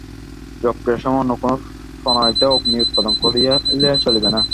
যজ্ঞের সময় অন্য কোন প্রণালীতে অগ্নি উৎপাদন করিলে চলিবে না।